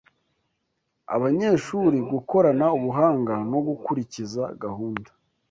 abanyeshuri gukorana ubuhanga no gukurikiza gahunda